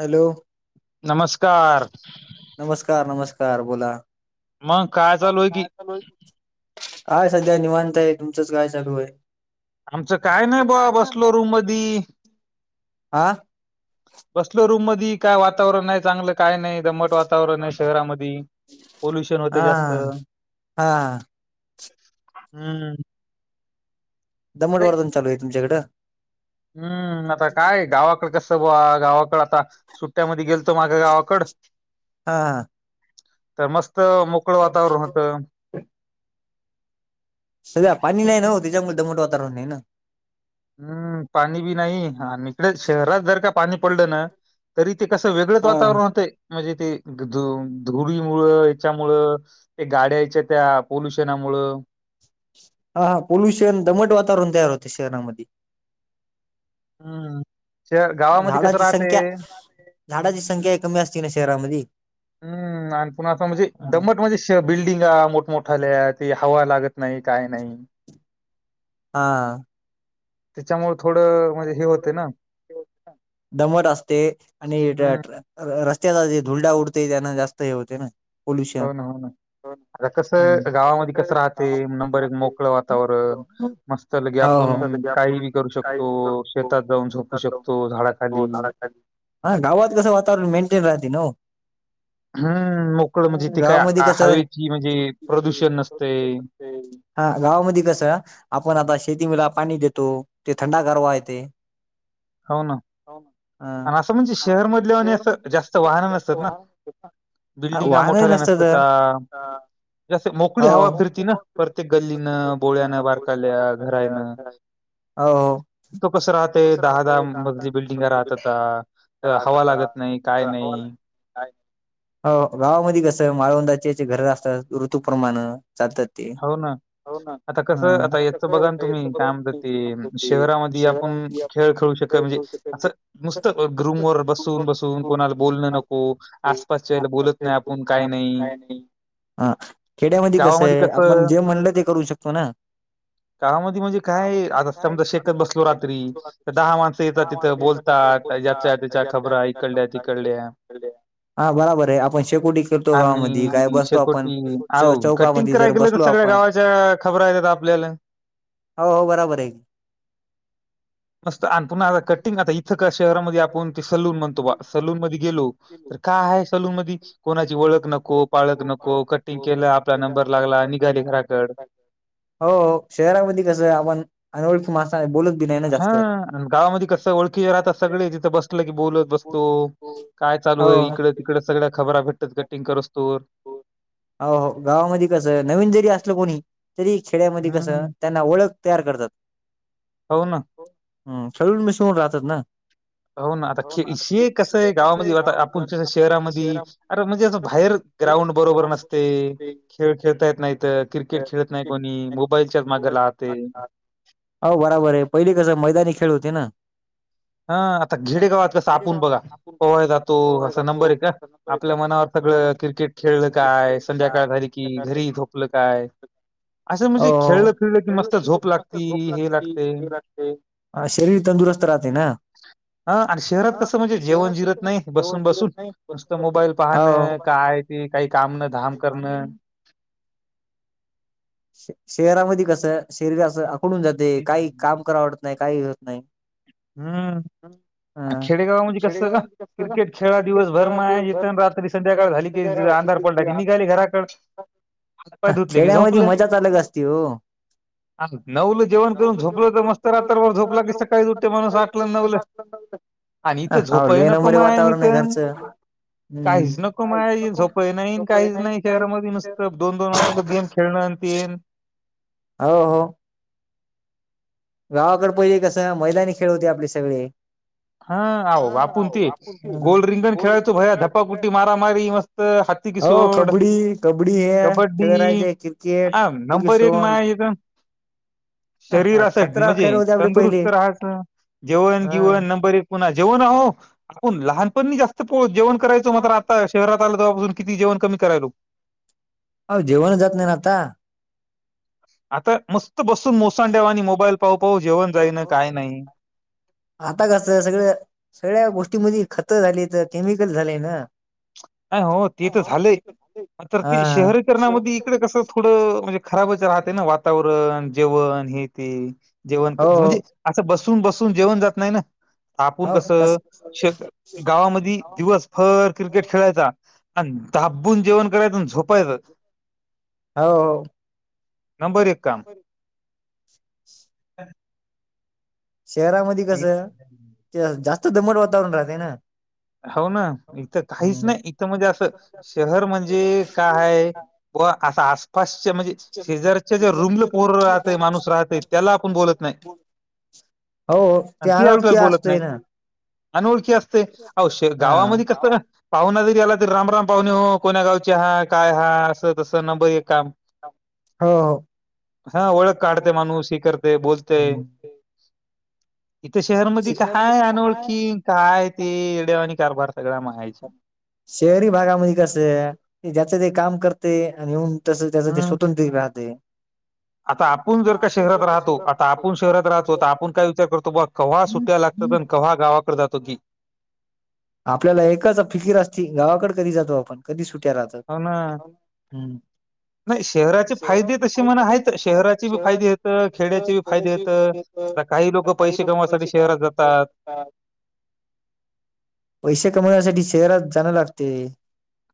Hello. नमस्- नमस्कार, नमस्कार, बोला. मग काय चालूय? काय सध्या निवांतय. तुमचंच काय चालूय? आमचं, काय नाही बा. बसलो रूम मधी. आ. बसलो रूममधी. काय वात वातावरण नाही चांगलं. काय नाही. दम्मट वातावरणय, शहरामधी. पोल्युशन होत जास्त. हां. हम्म. दमड वार्जन चालूय तुमच्याकड. हम्म, आता काय, गावाकड कसं बुवा. गावाकडे आता सुट्ट्यामध्ये, गेलतो. मागं गावाकड. हा. तर मस्त, मोकळ वातावरण होतं. सध्या पाणी नाही ना ओ. त्याच्यामुळे, दमट वातावरणय ना. हम्म. पाणी बी नाही. आणि इकडे शहरात जर का पाणी पडलं ना तरी ते कसं, वेगळंच वातावरण होतंय. म्हणजे ते धु- धुडीमुळ, याच्यामुळ. ते गाड्यायच्या त्या, पोल्युशनामुळ. हा, हा. पोल्युशन. दमट वातावरण तयार होते शहरामधी. हम्म, श गावामध्ये कसं राहतय. झाडाची संख्या कमी असती ना शहरामधी. हम्म आणि पुन आता म्हणजे, दम्मट म्हणजे श त्या बिल्डिंगा, मोठमोठ्याल्या. त हवा लागत नाही. काय नाही. हा. त्याच्यामुळे थोडं, म्हणजे हे होते ना. दमट असते आणि ट्रे ट्रॅ रस्त्याचा जे धुलडा उडते. त्यांन जास्त हे होते ना. हो, ना. हो, ना. आता कसं. गावामध्ये कसं राहते, नंबर एक मोकळ वातावरण. मस्त लगे आपूण काही बी करू शकतो. शेतात जाऊन झोपू शकतो. झाडाखाली. हा गावात कसं, वातावरण मेंटेन राहते न ओ. हम्म मोकळ म्हणजे, ते काय आ हवेची, म्हणजे प्रदूषण नसतय. हा गावामध्ये कस, आपण आता शेती म ला पाणी देतो. ते थंडा गारवा यते. हो ना. आणि असं म्हणजे, शहरमधल्यावनी असं, जास्त वाहन नसतात ना. बिल्डिंगा मोठऱ्या नसत्याता. जस मोकळी हवा फिरती ना. प्रत्येक गल्लीनं, बोळ्यानं, वारकाल्या, घरायनं. अ हो. कपस राहतेत. दहा- दहा मजली बिल्डिंगा राहतता. हवा लागत नाही, काय नाही. हो, गावामध्ये कसं माळवंदाचे हेचे घर असतात. ऋतूप्रमाणं चालतात. हो ना आता कस आता याच बघा ना तुम्ही काय म्हणतात ते शहरामध्ये आपण खेळ खेळू शकत म्हणजे असं नुसतं रूम वर बसून बसून कोणाला बोलन नको. हो आसपासच्याला बोलत नाही आपण काही नाही. हा खेड्यामध्ये कसं आहे. ण जे म्हणलं ते करू शकतो ना. [unintelligible] बोलता [unintelligible] [unintelligible] हा बराबर आहे आपण शेकोटी करतो गावामध्ये काय बसतो आपण चौकामध्ये. जर बसलो आपण हो हो बराबर आहे. मस्त आणि पुन्हा कटिंग आता इथं का शहरामध्ये आपण ते सलून म्हणतो बा सलूनमध्ये गेलो तर का आहे सलून मध्ये कोणाची ओळख नको पाळक नको कटिंग केलं आपला नंबर लागला निघाली घराकड. हो शहरामध्ये कसं आहे आपण अनोळखी माणसाला बोलत हा गावामध्ये कसं ओळखी राहतात सगळे तिथं बसलं की बोलत बसतो काय चालू आहे इकड तिकड सगळ्या खबरा भेटतात कटिंग करस्तोवर. हो हो गावामध्ये कस आहे नवीन जरी असलं कोणी तरी खेड्यामध्ये कसं त्यांना ओळख तयार करतात. हम्म खेळून मीसळून राहतात ना. हो ना आता ख हे कसं आहे गावामध्ये आता आपण क शहरामध्ये अरे म्हणजे असं बाहेर ग्राउंड बरोबर नसते‌. खेळ खेळता येत नाहीत क्रिकेट खेळत नाही कोणी मोबाईलच्याच मागे राहते. हो बराबर आहे पहिली कसं मैदानी खेळ होते ना. हा आता खेडे गावात का आपून बघा पोहाय जातो असा नंबर आहे का. आपल्या मनावर सगळं क्रिकेट खेळलं काय संध्याकाळ झाली कि घरी झोपलं काय. असं म्हणजे खेळलं खेळलं की मस्त झोप लागती हे लागते. शरीर तंदुरुस्त राहते ना. हां आणि शहरात कसं म्हणजे जेवण जिरत नाही बसून बसून नुसतं मोबाईल पाहणं का काय ते काही कामणं धाम करणं शहरामध्ये कसं शरीर असं आखडून जाते काही काम कराव वाटत नाही काही होत नाही. हम्म खेडेगावा म्हणजे कसं का क्रिकेट खेळा दिवसभर माय रात्री. संध्याकाळ झाली की अंधार पडला की निघाले घराकडे. [inaudible] हात पाय धुतले की झोपले. नऊला जेवण करून झोपलं तर मस्त रात्रभर झोपला की सकाळी सकाळीच उठतय माणूस आठला नऊला आणि इथं झोप आहे नको माय मीथन. काहीच नको माझ झोपंही नाही काहीच नाही शहरामध्ये नुसतं दोन दोन वाजूसतवर गेम खेळणं तेन. हो हो गावाकडे पहिले कसं मैदानी खेळ होते आपले सगळे. हा आह आपून ते गोल रिंगण खेळायचो भया ध्पाकुट्टी मारामारी मस्त. हो कबड्डी कबड्डी हे खेळ राहायचे क्रिकेट ते कि सोन खतरा खेळ होते आपले पहिली हां. बर पुन्हा जेवण आपण लहानपण जास्त जेवण करायचो मात्र आता शहरात आल्यापासून किती जेवण कमी करायलो. हो जेवण जात नाही ना आता. आता मस्त बसून मोसांड्यावानी आणि मोबाईल पाहू पाहू जेवण जाईन काय नाही. आता कसं सगळ सगळ्या गोष्टीमध्ये खतं झाली तर केमिकल झालेय ना. नाही हो ते तर झालंय तर ते शहरीकरणामध्ये इकडे कस थोडं म्हणजे. खराबच राहते ना वातावरण जेवण हे ते जेवण म्हणजे असं बसून बसून जेवण जात नाही ना. आपण कस श गावामध्ये दिवसभर क्रिकेट खेळ य आणि दाबून जेवण करायचं आणि झोपायचं. हो नंबर एक काम ह शहरामध्ये कसं ते जास्त दमट वातावरण राहतय ना. हो ना इथं काहीच नाही इथं म्हणजे असं शहर म्हणजे कायय व असं अस पाशच्या म्हणजे शेजारच्या ज्या रुमल पोहर राहतय माणूस राहतय त्याला आपण बोलत नाही हो त्या अनोळखी असतोय ना अनोळखी असते अवश्य गावामध्ये कस पाहुना जरी याला तरी रामराम पाहुणे हो कोण्या गावचे हा काय हा असं तसं नंबर एक काम हा ओळख काढते माणूस ही करते बोलते इथं शहरमध्येध काय अनोळखी काय ते वा आणि कारभार सगळ महाय शहरी भागामध्ये कस आहे जचं ते काम करते आणि येऊन तस त्याच ते स्वतंत्र बा दे आता आपण जर का शहरात राहतो आता आपण शहरात राहतो तर आपण काय विचार करतो बा कव्हा सुट्या लागतो पण कव्हा गावाकडे जातो की आपल्याला एककाच फिकिर असती गावाकड कधी जातो आपण कधी सुट्या राहत हम्म नाही शहराचे फायदे तसे मणा आहेतच शहराचे बी फायदे होेत खेड्याचे बी फायदे होेत आता काही लोक पैसे कमासाठी शहरात जातात हा पैसे कमवण्यासाठी शहरात जाणं लागते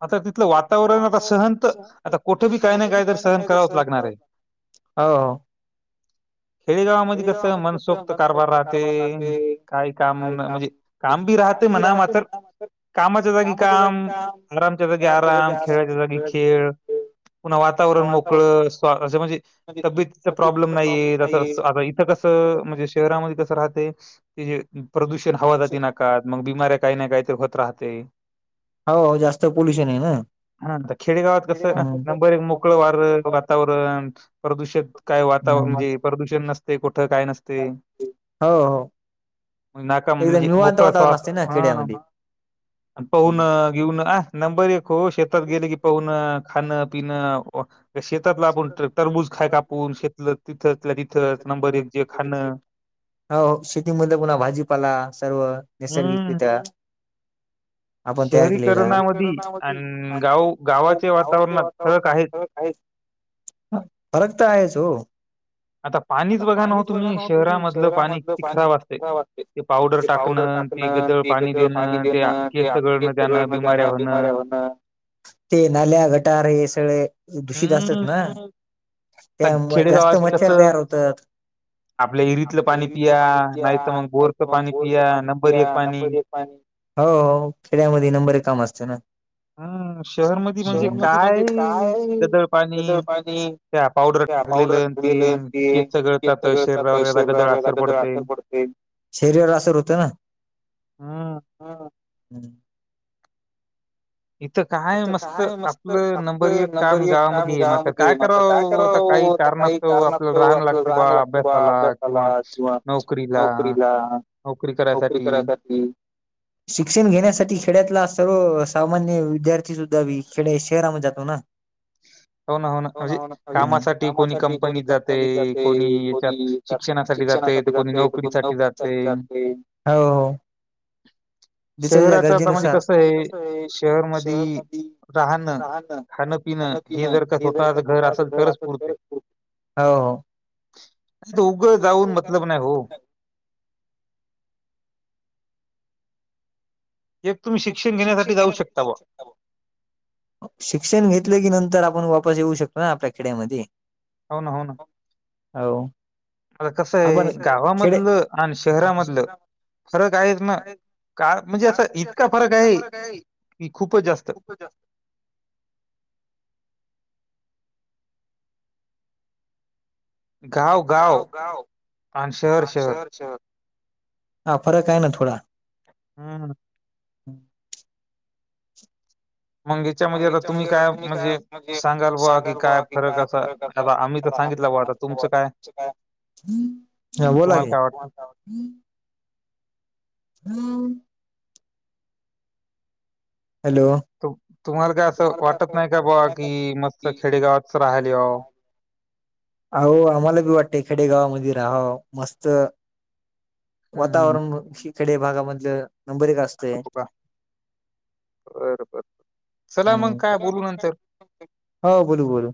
आता तिथलं वातावरण आता सहन तर आता कुठे बी काही ना काय तर सहन करावंच लागणार आहे हो हो. खेडेगावामध्ये कसं मनसोक्त कारभार राहते काय काम म्हणजे. काम बी राहते म्हणा मात कामाच जागी काम. आरामच्या जागी आराम खेळाच्या जागी खेळ. पुन्हा वातावरण मोकळ स् असं म्हणजे. तब्येतचा प्रॉब्लेम नाहीय अस आता इथं कसं म्हणजे शहरामध्ये कसे प्रदूशीत हवा राहते काही नाही काहीतरी होत राहते हो जास्त पोल्युशन आहे ना. हा खेडेगावात कसं नंबर मोकळ वार वातावरण प्रदूषण काय वातावरण म्हणजे प्रदूषण नसते कुठं काय नसते हो हो नाका म्हणजे मोकळा श्वास हा पाहन. घेऊन नंबर एक हो शेतात गेले की पाहण खाणं पिणं श. शेतात आपण तररबूज खाय कापून शेत तिथ तिथच नंबर एक जे खाणं. हो शेती मध पुन्हा भाजीपाला सर्व नैसर्गिकरित्या. आपण तयार केलेलं करना म आणि गा गावाचे वातावरणातर. फरक तर आहेच हो. आता पाणीच बघा ना तुम्ही शहरामधलं पाणी करा वाटते ते पावडर का. ते एक पाणी देणं तेस्त करणं त्यांना बिमऱ्या होणं. ते नाल्या गटार हे सगळे दूषित असतात ना. त्या म जास्त मच्छर तयार होतात. आपलं इरीलं पाणी पिया नाहीत मग बोरचं पाणी पिया नंबर एक. हो हो खेड्यामध्ये नंबर काम असतं ना. हम् शहर मध म्हणजे काय गढूळ पाणी. त्या पावडर टाकलेलं. खेळतात शरीरावरग आखर पडते. शरीर असर होते ना. हम. हा ह. इथं काय मस्त आपलं नंबर एक काम गावामध्ये आहे म काय करावं आता काही. कारणतो आपल्याला राहान लागतो बा अभ्यासाला किंवा नोकरीला. नोकरी करायसाठी. शिक्षण घेण्यासाठी खेड्यातला सर्व सामान्य विद्यार्थी. सुद्धा खेडे शहरा म जातो ना. हो ना हो ना कामासाठी कोणी कंपनी जाते कोणी. शिक्षणासाठी जाते द नोकरी साठी जात हो. शहराच आता म्हणजे कस आहे शहर मध. राहण ख. हे जर का स्वतःच घर असल तरच पुरते. उघं जाऊन मतलब नाही हो. एक तुम्ही शिक्षण घेण्यासाठी जाऊ शकता बा. शिक्षण घेतले की नंतर आपण वापस येऊ शकतो ना आपल्या खेड्यामध्ये. होन हो ना. मला कस आहे गावामधल आणि शहरामधलं. फरक आहे ना का म्हणजे असं इतका फरक. रा ग्या खू जास्. गाव गाव आणि शहर शहर. हा फरक आहे ना थोडा. हम् ह. ह. मग याच्यामध्ये आता तुम्ही काय म्हणजे सांगाल ब की काय फरक असा आता आम्ही तर सांगितला बा आता. तुमचं काय. हा बोला की हम्म हॅलो. तुम्हाला काय असं वाटत नाही का बाबा की मस्त खेडेगावातच राहायलावं. अ आम्हाला बी वाटते खेडेगावामध्ये राहा मस्त. वातावरण ह खेडे भागामधलं नंबर का असते. बर बर चला मग काय बोलू नंतर हो बोलू बोलू